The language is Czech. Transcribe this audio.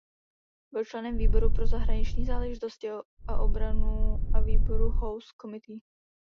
Byl členem výboru pro zahraniční záležitosti a obranu a výboru House Committee.